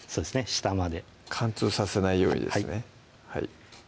下まで貫通させないようにですね